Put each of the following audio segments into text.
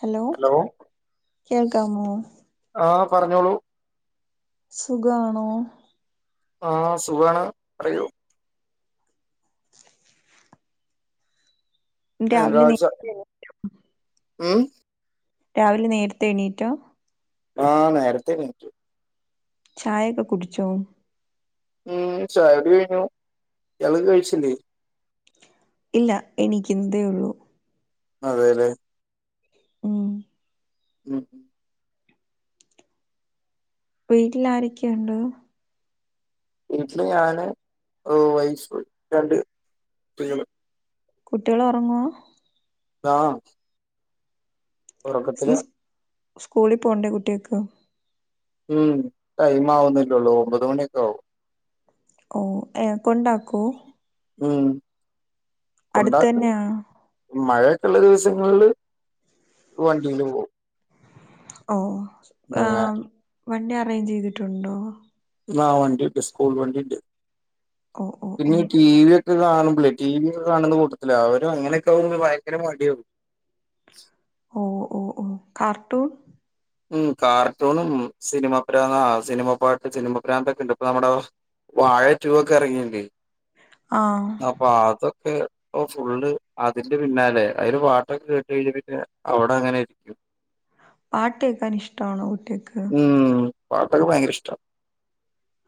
Hello കേക്കമൊ ആഹ് പറഞ്ഞോളൂ സുഖാണോ ആഹ് സുഖാണ് പറയൂ രാവിലെ നേ [unintelligible] ഉം രാവിലെ നേരത്തെ എണീറ്റോ? ആഹ് നേരെത്തെ എണീക്കും ചായയൊക്കെ കുടിച്ചോ? ഉം ചായ കുടി കഴിഞ്ഞു ഇയാള് കഴിച്ചില്ലേ? ഇല്ലാ എണീക്കുന്നതേ ഉള്ളൂ അതെല്ലെ ഉം ഉം വീട്ടിൽ ആരൊക്കെയുണ്ട്? വീട്ടില് ഞാന് ഉം വൈഫ് രണ്ട് കുട്ടികള് കുട്ടികള് ഒറങ്ങുവാ ആഹ് ഒറക്കത്തിലാ സ്കൂളി പോണ്ടേ കുട്ടിയേക്ക് ഉം ടൈം ആവുന്നല്ലേയുള്ളൂ ഒമ്പത് മണിയൊക്കെ ആവും ഓഹ് ഏഹ് കൊണ്ടാക്കോ? ഉം അടുത്ത് കൊണ്ടാക്കും തന്നെയാണോ മഴയെക്കെയ്ള്ള ദിവസങ്ങളില് വണ്ടീല് പോവും. ഓഹ് അങ്ങനെ ഏഹ് വണ്ടി അറേയിഞ്ച് ചെയ്തിട്ടൊണ്ടോ? ആഹ് വണ്ടിയിണ്ട് സ്കൂൾ വണ്ടിണ്ട് ഓ ഓ ഓ പിന്നെ ടി വി യെ കാണ് മ്പളെ ടിവി ഒക്കെ കാണുന്ന കൂട്ടത്തിലാ അവര് അങ്ങനെയൊക്കെ ആവുമ്പളെ ഭയങ്കര മടിയാവും ഓഹ് ഓഹ് ഓഹ് കാർട്ടൂൺ ഉം കാർട്ടൂണും സിനിമ പ്രാ ആഹ് സിനിമ പാട്ട് സിനിമ പ്രാന്തൊക്കെ ഇണ്ട് ഇപ്പൊ നമ്മടെ വാഴ റ്റൂ ഒക്കെ എറങ്ങീണ്ട് ആ അപ്പൊ അതൊക്കെ ഇപ്പോ ഫുള്ള് അതിന്റെ പിന്നാലെയാ അതില് പാട്ടൊക്കെ കേട്ട് കഴിഞ്ഞാ പിന്നെ അവിടെ അങ്ങനെയിരിക്കും പാട്ട് കേക്കാൻ ഇഷ്ട്ടാണോ കുട്ടിയേക്ക് ഉം പാട്ടൊക്കെ ഭയങ്കര ഇഷ്ട്ടാ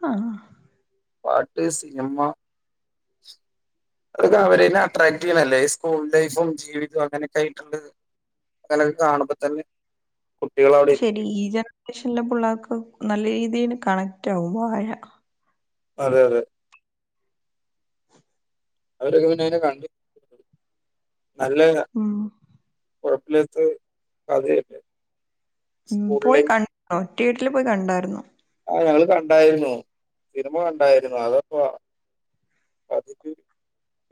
ആഹ് ആഹ് പാട്ട് സിനിമ അതൊക്കെ അവരേനെ അട്രാക്ട് ചെയ്യണല്ലേ ഈ സ്കൂൾ ലൈഫും ജീവിതവും അങ്ങനൊക്കെ ആയിട്ടുള്ള അങ്ങനെക്കെ കാണുമ്പം തന്നെ കുട്ടികൾ അവിടെ ശെരി ഇരിക്കും. ഈ ജനറേഷനിലെ പിള്ളേർക്ക് നല്ല രീതീല് കണക്റ്റാകും വാഴ അതെ അതെ അവരൊക്കെ പിന്നെ അയിനെ കണ്ട് നല്ലയിനാ ഉം കൊഴപ്പയില്ലാത്ത കഥയ്ണ്ട് ഉം പോയി കണ്ടോ തീയേറ്ററിൽ പോയി കണ്ടായിരുന്നോ? ആഹ് ഞങ്ങള് കണ്ടായിരുന്നു സിനിമ കണ്ടായിരുന്നു അതാപ്പം അതില്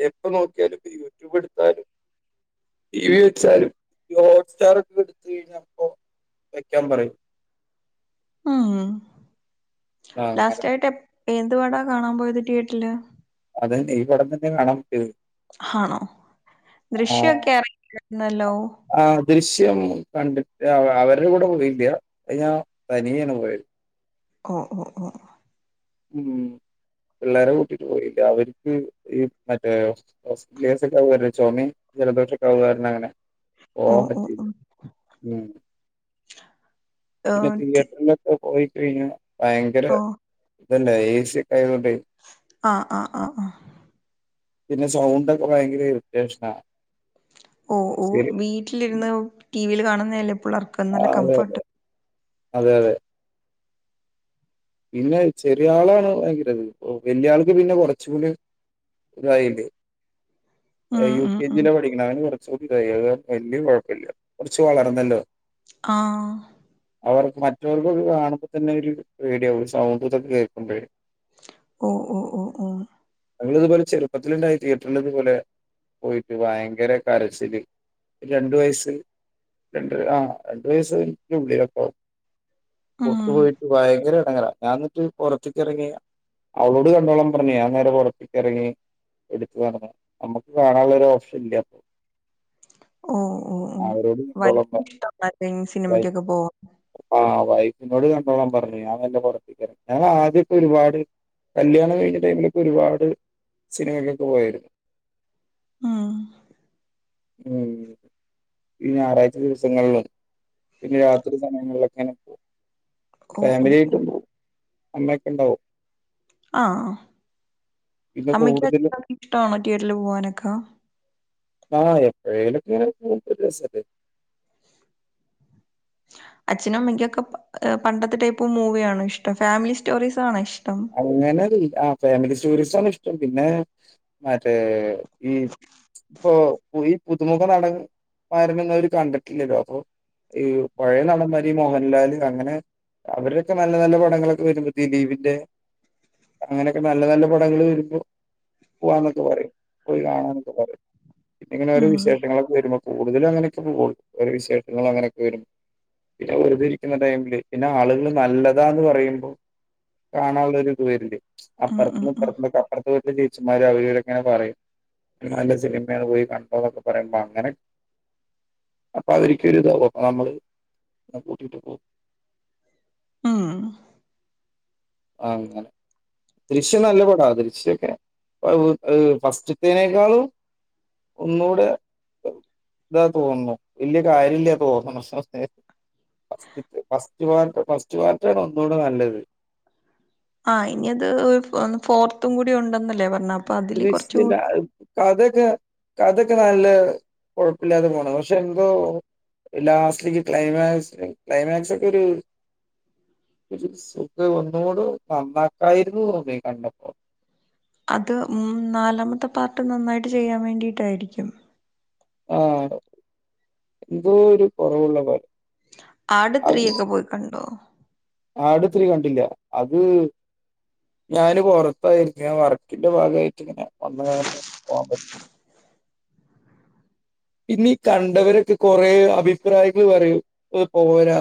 എപ്പ നോക്കിയാലും യൂട്യൂബ് എടുത്താലും ടി വി വെച്ചാലും ഈ ഹോട്ട് സ്റ്റാർ ഒക്കെ എടുത്ത് കഴിഞ്ഞാ അപ്പോ വെക്കാൻ പറയും ആഹ് ആ അങ്ങനെ ലാസ്റ്റായിട്ട് എപ് ഏത് പടവാ കാണാൻ പോയത് തീയേറ്ററില് അതന്നെ ഈ പടം തന്നെ കാണാൻ പോയത് ആണോ ദൃശ്യൊക്കെ എറങ്ങിയിരുന്നല്ലോ ആഹ് ദൃശ്യം കണ്ടിട്ട് അവ അവരുടെ കൂടെ പോയില്ലാ അത് ഞാൻ തനിയെയാണ് പോയത് ഓഹ് ഓഹ് ഓഹ് ഉം പിള്ളേരെ കൂട്ടിട്ട് പോയില്ല അവർക്ക് ഈ മറ്റേ ഓസ്ട്രസ് [unintelligible] ചോമി ജലദോഷ ഒക്കെ ആവുകാരണം അങ്ങനെ ഓ പോവാൻ ഓ പറ്റില്ല ഓ ഉം ഓ പിന്നെ തി- തിയേറ്ററില് ഇ പോയി കഴിഞ്ഞ ഭയങ്കര ഓ ഇതല്ലെ ഏ സിഒക്കെ ആയതൊണ്ട് ആഹ് ആഹ് ആഹ് ആഹ് പിന്നെ സൗണ്ടോക്കെ ഭയങ്കര ഇറിറ്റേഷന ഓഹ് ഓഹ് വീട്ടിലിരുന്ന് ടിവിൽ കാണുന്നല്ല പിള്ളേർക്ക് നല്ല ആഹ് അതെ അതെ കംഫർട്ട് അതെ അതെ പിന്നെ ചെറിയ ആളാണ് ഭയങ്കരത് വലിയാൾക് പിന്നെ കൊറച്ച കൂടി ഇതായിണ്ട് ഉം യു ഉം കെ ഉം ജില പഠിക്കണ അവന് നിർ ഫ്യൂഡയിക്കാൻ വലിയ കുഴപ്പല്ല്യാ കുറച്ച് വളർന്നല്ലോ ആഹ് അവർക്ക് മറ്റൊർക്ക് ഇത് കാണുമ്പോ തന്നെ ഒരു പേടിയാകുംസൗണ്ടുതൊക്കെ കേക്കുമ്പോയെ... ഓഹ് ഓഹ് ഓഹ് ഓഹ് ഞങ്ങള ഇതുപോലെ ചെറുപ്പത്തിലു ണ്ടായി തിയേറ്ററിൽ ഇതുപോലെ പോയിട്ട് ഭയങ്കര കരച്ചില്. രണ്ട വയസ് രണ്ട് ആ രണ്ട് വയസ്സിന്റെ ഉള്ളിലൊക്കാവും... പുറത്തു ഉം പോയിട്ട് ഭയങ്കര ഇടങ്ങറ നാന്നിട്ട് പുറത്ക്ക് ഇറങ്ങിയ. അവളോട് കണ്ടോളാം പറഞ്ഞേ ഞൻ നേരെ പുറത്ക്ക് ഇറങ്ങി എടുത്തു നടന്നു നമ്മുക്ക് കാണാനുള്ള രോഓപ്ഷൻ ഇല്ല... ഓഹ് ഓഹ് ഓഹ് അവരോട് കണ്ടോളാൻ വലിയ പറഞ്ഞു ഇഷ്ട മറ്റേ സിനിമയ്ക്കൊക്കെ പോവും ആഹ് വൈഫിനോട് കണ്ടോളാൻ പറഞ്ഞു ഞാൻ ഞാൻ ആദ്യക്കെ ഒരുപാട് കല്യാണം കഴിഞ്ഞ ടൈമിലൊക്കെ ഒരുപാട് സിനിമകൊക്കെ പോയിരുന്നു ആഹ് ഉം ഈ ഞായറാഴ്ച ദിവസങ്ങളിലും പിന്നെ രാത്രി സമയങ്ങളിലൊക്കെ.. ഓ ഓ ഓ. ഫാമിലിായിട്ടുംപോവും അമ്മൊക്കെ ഉണ്ടാവും ആഹ് പിന്നെ അമ്മയ്ക്ക് കൂടുതലും അഅച്ഛനൊക്കെ ഇഷ്ടമാണോ തിയറ്ററില് പോവാനൊക്കെ... ആഹ് എപ്പയെലോകെങ്ങെനെ പോകും രസല്ലേ ! ! ! ! ! ! ! ! അച്ഛനും അമ്മക്കൊക്കെ അച്ഛനുമ്മയ്ക്കൊക്കെ പണ്ടത്തെ ടൈപ്പ് മൂവിയാണോ ഇഷ്ടം ഫാമിലി സ്റ്റോറീസാ ആണോ ഇഷ്ടം.. അങ്ങനെ ആ ഫാമിലി സ്റ്റോറിസാണ് ഇഷ്ടം പിന്നെ മറ്റേ ഈ പ്പോ ഈ പുതുമുഖം നടന്മാരെ ഒന്നും അവര് കണ്ടിട്ടില്ലല്ലോ അപ്പൊ ഈ പഴയ നടന്മാര് ഇ മോഹൻലാല് അങ്ങനെ.. അവരൊക്കെ നല്ല നല്ല പടങ്ങളൊക്കെ വരുമ്പോ ഈ ദിലീപിന്റെ.. അങ്ങനെയൊക്കെ നല്ല നല്ല പടങ്ങൾ വരുമ്പോ പോവാന്നൊക്കെ പറയും പോയി കാണാന്നൊക്കെ പറയും പിന്നെങ്ങനെ ഓരോ ഉം. വിശേഷങ്ങളൊക്കെവരുമ്പോ കൂടുതലും അങ്ങനൊക്കെ പോകുള്ളൂ ഓരോ വിശേഷങ്ങൾ അങ്ങനൊക്കെ വരുമ്പോ പിന്നെ വെറുതെ ഇരിക്കുന്ന ടൈമില് പിന്നെ ആളുകള് നല്ലതാന്ന് പറയുമ്പോ കാണാനുള്ള ഒരു ഇതു വര്ല്ലേ ഉം ഉം അപ്പറത്ത്ന്നും ഉം. ഇപ്പറത്ത്നൊക്കെ അപ്പർത്തേ വീട്ടിലേ ടീച്ചന്മാര് അവര് ഇവരൊക്കെ ങ്ങനെ പറയും നല്ല സിനിമാന്ന് പോയി കണ്ടോ ന്നൊക്കെ പറയുമ്പോ അങ്ങനെ അപ്പൊ അവരിക്കി ഒരു ഇതാകും അപ്പ നമ്മള് കൂട്ടിട്ട് പോകും ആഹ് ആഹ് അങ്ങനെ ദൃശ്യം നല്ല പടാ ദൃശ്യൊക്കെ അത് അത് ഫസ്റ്റ്ത്തേനേക്കാളും ഒന്നൂടെ ഇതാ തോന്നുന്നു വെല്യാ കാര്യല്ല്യാ തോന്നുന്നു ഫസ്റ്റ് ത്തേ ഫസ്റ്റ് വാൽട്ടർ ഫസ്റ്റ് വാൽട്ടർ ആണ് ഒന്നൂടെ നല്ലത് ആഹ് ഇനി അത് ഫോർത്തും കൂടി ഉണ്ടെന്നല്ലേ പറഞേ അപ്പൊ അതില് കൊറച്ചുടി കഥക്കെ കഥക്കെ നല്ല കൊഴപ്പല്ലാതെ പോണ പക്ഷെ എന്തോ ലാസ്റ്റിൽക്ക് ക്ലൈമാക്സ് ക്ലൈമാക്സ് ഒക്ക ഒരു ഒരു സുഖം ഒന്നൂടു നന്നാക്കായിരുന്നു തോന്നി കണ്ടപ്പോ അത് ഉം നാലാമത്തെ പാർട്ട് നന്നായിട്ട് ചെയ്യാൻ വേണ്ടിയിട്ടായിരിക്കും ആഹ് എന്തോ ഒരു കൊറവുള്ള പോലെ ആട്ത്രീയൊക്കെ പോയി കണ്ടോ ആട്ത്രി കണ്ടില്ല അത് ഞാന് പോറത്തായിരുന്നു ഞാൻ വർക്കിന്റെ ഭാഗായിട്ട് ഇങ്ങനെ വന്നതായിരുന്നു പോകാൻ പറ്റി ഇനി കണ്ടവരൊക്കെ കൊറേ അഭിപ്രായങ്ങൾ പറയൂ ഇത് പോരാ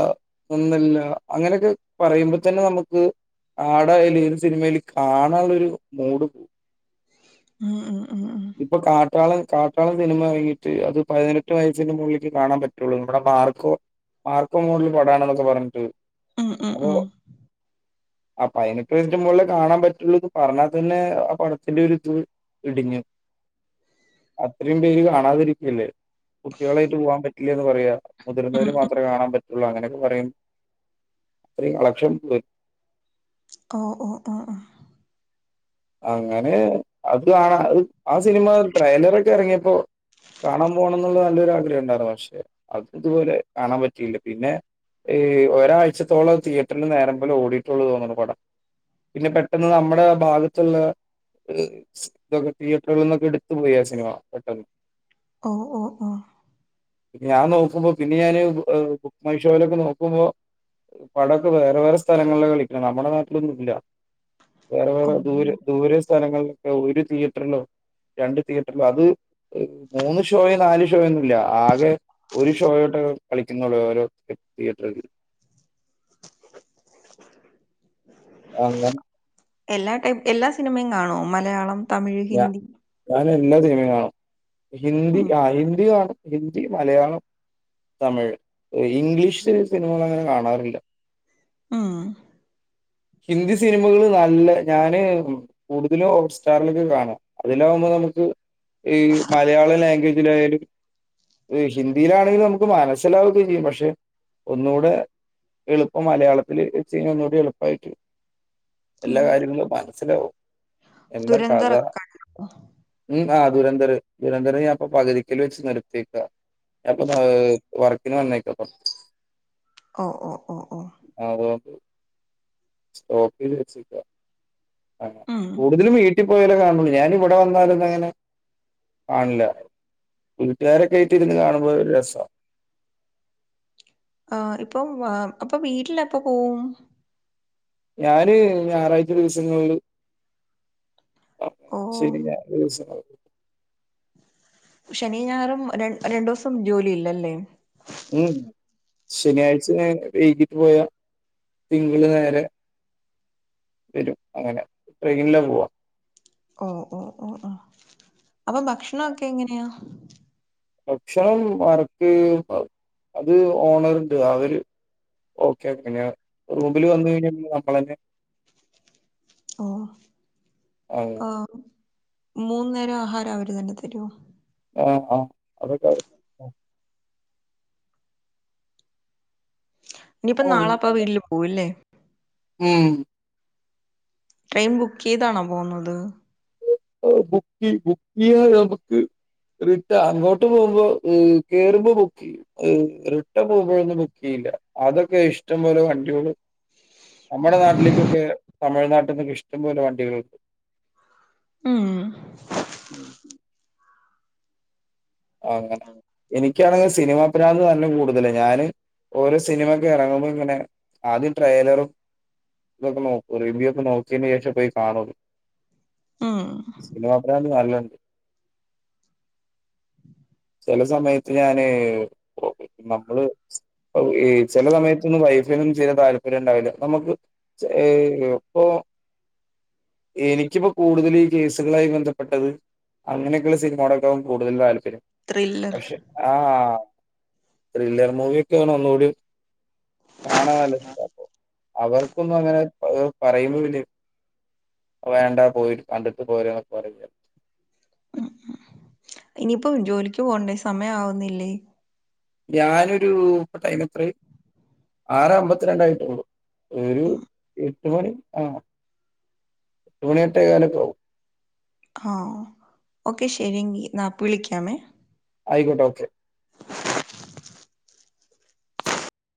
ഒന്നല്ല അങ്ങനെയൊക്കെ പറയുമ്പോ തന്നെ നമുക്ക്, ആടായാലും ഏത് സിനിമേലും കാണാനുള്ള ഒരു മൂഡ് പോവും, ഉം ഉം ഇപ്പൊ കാട്ടാളം കാട്ടാളം സിനിമ എറങ്ങീട്ട് അത് പതിനെട്ട് വയസ്സിന്റെ മുകളിലേക്ക് കാണാൻ പറ്റുള്ളു, നമ്മുടെ മാർക്കോ, വാർക്കോ മോഡൽ പടാണെന്നൊക്കെ പറഞ്ഞിട്ട്, ഉം ഉം ഉം അപ്പൊ പതിനെട്ടു വയസ്സിന് മേലെ കാണാൻ പറ്റുള്ളൂന്ന് പറഞ്ഞാൽ തന്നെ ആ പടത്തിന്റൊരിത് ഇടിഞ്ഞു, അത്രയും പേര് കാണാതിരിക്കല്ലേ, കുട്ടികളായിട്ട് പോകാൻ പറ്റില്ലാന്ന് പറയാ ഉം മുതിർന്നവര് ഉം. മാത്രേ കാണാൻ പറ്റ ള്ളു അങ്ങനെയൊക്കെ പറയും അത്രയും കളക്ഷൻ പോയ് ഓഹ് ഓഹ് ആഹ് ആഹ്, അങ്ങനെ അത് കാണ അത്, ആ സിനിമ ട്രെയിലറക്കെ ഇറങ്ങിയപ്പോ കാണാൻ പോണം എന്നുള്ള നല്ലൊരു ആഗ്രഹം ഉണ്ടായിരുന്നു പക്ഷെ, അത് ഇതുപോലെ കാണാൻ പറ്റിയില്ല, പിന്നെ, ഈ ഒരാഴ്ചത്തോളം തിയേറ്ററിൽന് നേരം പോലെ ഓടിയിട്ടുള്ളു തോന്നണു പടം, പിന്നെ പെട്ടെന്ന് നമ്മുടെ ഭാഗ ത്തുള്ള ഇതൊക്കെ തിയേറ്ററുകളിൽ നിന്നൊക്കെ എടുത്തു പോയ് ആ സിനിമ പെട്ടെന്ന്, ഓഹ് ഓഹ് ഓഹ്, ഞാൻ നോക്കുമ്പോ പിന്നെ ഞാന് ബുക്ക് മൈ ഷോയിലൊക്കെ നോക്കുമ്പോ, പടൊക്കെ വേറെ വേറെ സ്ഥലങ്ങളിലാ കളിക്കണെ നമ്മുടെ നാട്ടിലൊന്നുംല്ല വേറെ വേറെ, ഉം. ദൂരെ സ്ഥലങ്ങളിലൊക്കെ ഒരു തിയേറ്ററിലോ രണ്ട് തിയേറ്ററിലോ അത്, മൂന്ന് ഷോയും നാല് ഷോയൊന്നുംല്ല ആകെ, ഒരു ഷോയോട്ടൊ കളിക്കുന്നുള്ളൂ ഓരോ തിയേറ്ററില്, അങ്ങനെ, എല്ലാ ടൈപ്പ് എല്ലാ സിനിമയും കാണോ മലയാളം, തമിഴ്, ഞാ ഹിന്ദി, ഞാൻ എല്ലാ സിനിമയും കാണും ഹിന്ദി ആ ഹിന്ദി കാണും, ഹിന്ദി, മലയാളം, തമിഴ്, ഇംഗ്ലീഷില് സിനിമകൾ അങ്ങനെ കാണാറില്ല, ഉം ഹിന്ദി സിനിമകള് നല്ല ഞാന്, കൂടുതലും ഹോട്ട് സ്റ്റാറിലൊക്കെ കാണും അതിലാകുമ്പോ നമുക്ക്, ഈ മലയാളം ലാംഗ്വേജിലായാലും, ഇത് ഹിന്ദിയിലാണെങ്കിലും നമുക്ക് മനസ്സിലാവുകയൊക്കെ ചെയ്യും പക്ഷെ ഒന്നു കൂടെ എളുപ്പം മലയാളത്തില് ചെയ്താ ഒന്നു കൂടി എളു പ്പായിട്ട് എല്ലാ കാര്യങ്ങളും മനസ്സിലാവും. എന്താ കഥ? ദുരന്തറൊക്കെ കണ്ടോ ഉം ആഹ് ദുരന്തര ദുരന്തരം ഞാൻപ്പ പകുതിക്കൽ വെച്ച് നിർത്തയേക്കാ ഞാൻ പ്പൊ വർ ക്കിന്ന് വന്നേക്കപ്പം ഓഹ് ഓഹ് ഓഹ് ഓഹ് ആവോക്ക് സ്‌റ്റോപ്പെയ്ത് വെച്ച്ക്ക അഹ് ഉം കൂടുതലും വീട്ടി പോയാലെ കാണുള്ളു ഞാന് വിടെ വന്നാലൊന്നും അങ്ങനെ കാണില്ല. വീട്ടുകാരൊക്കെ ആയിട്ട് ഇരുന്ന് കാണുമ്പോൾ ഒരു രസാ. ആഹ് ഇപ്പൊ വ അപ്പൊ വീട്ടിലെപ്പം പോവും? ഞാന് ഞായറാഴ്ച ദിവസങ്ങളില് ഓ ശെനി, ഞായർ ദിവസങ്ങൾ ശെനിയും ഞായറും ര രണ്ടു ദിവസം ജോലിയില്ലല്ലേ? ഉം ഉം ശനിയാഴ്ച ഞാൻ വൈകിട്ട് പോയാ തിങ്കള് നേരെ വരും അങ്ങനെ ട്രെയിനിലാ പോവാ ഓഹ് ഓഹ് ഓഹ് ആഹ് അപ്പൊ ഭക്ഷണൊക്കെ എങ്ങനെയാ? ഭക്ഷണം [unintelligible] അത് ഓണർണ്ട് അവര് ഓക്കെ ഓക്കെ ഞാൻ റൂമിൽ വന്ന് കഴിഞ്ഞാൽ പിന്നെ നമ്മള് തന്നെ ഓഹ് വാങ്ങണം. ആഹ് മൂന്ന് നേരം ആഹാരം അവര് തന്നെ തരുമോ? ആഹ് ആഹ് അവര് തരും ഇനിയിപ്പം നാളെപ്പ വീട്ടില് പോകും ല്ലേ? ഉം ട്രെയിൻ ബുക്ക് ചെയ്താണോ പോകുന്നത്? ഓഹ് ബുക്കി ബുക്ക് ചെയ്താ നമുക്ക് റിട്ട അങ്ങോട്ട് പോകുമ്പോ ഉം കേറുമ്പൊ ബുക്ക് ചെയ്യും റിട്ടൺ പോകുമ്പോഴൊന്നും ബുക്ക് ചെയ്യില്ല. അതൊക്കെ ഇഷ്ടം പോലെ വണ്ടികള് നമ്മുടെ നാട്ടിലേക്കൊക്കെ തമിഴ്നാട്ടിൽ നിന്നൊക്കെ ഇഷ്ടം പോലെ വണ്ടികളുണ്ട്. ഊം മ്മ്. ഉം ആഹ് അങ്ങനെ എനിക്കാണെങ്കിൽ സിനിമാ പ്രാന്ത് നല്ല കൂടുതലാ ഞാന് ഓരോ സിനിമൊക്കെ ഇറങ്ങുമ്പോൾ തന്നെ ആദ്യം ട്രയലറും ഇതൊക്കെ നോക്കും റിവ്യയൊക്കെ നോക്കിയതിനു ശേഷേ പോയി കാണുള്ളൂ ആഹ് ആഹ് സിനിമാ പ്രാന്ത് നല്ലൺണ്ട് ചെല സമയത്ത് ഞാന് നമ്മള് സ് ഒ ഈ ചെല സമയത്ത് ഒന്നും വൈഫ് ഫിന്നും ചെയ്യാൻ താല്പര്യം ഉണ്ടാവില്ല നമുക്ക് ചെ എപ്പൊ എനിക്കിപ്പോ കൂടുതലു ഈ കേസുകളായി ബന്ധപ്പെട്ടത് അങ്ങനെയൊക്കെയുള്ള സിനിമയോടൊക്കെ കൂ ടുതൽ താല്പര്യം ത്രില്ലർ പക്ഷെ ആ ത്രില്ലർ മൂവിയ ഒക്കെ ആണെ ഒന്നു കൂടി കാണാൻ നല്ല ഇഷ്ട അപ്പൊ അവർക്കൊന്നും അങ്ങനെ പ്പത് പറയുമ്പോ പിന്നെ അത് വേണ്ടാ പോയി കണ്ടിട്ട് പോരാന്നൊന്നും പറയില്ല ഉം ഉം ഇനിയിപ്പോ ജോലിക്ക് പോകണ്ടേ സമയം ആവുന്നില്ലേ? ഞാനൊരു ഇപ്പ ടൈമെത്രായ് ആറെ അമ്പത്തിരണ്ടായിട്ടേള്ളൂ. ഒരു എട്ട് മണി ആ എട്ട് മണി എട്ടേ കാലൊക്കെ ആകും ആഹ് ഓക്കെ ശരി എങ്കി എന്നാ ഇപ്പ വിളിക്കാമേ ആയിക്കോട്ടെ ഓക്കെ [unintelligible]